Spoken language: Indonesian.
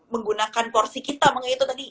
menggunakan porsi kita makanya itu tadi